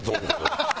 ハハハハ！